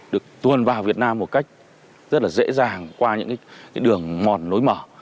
được tuồn vào việt nam một cách rất là dễ dàng qua những cái đường mòn lối mở